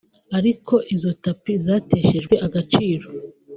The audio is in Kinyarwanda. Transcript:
ariko izo tapes zateshejwe agaciro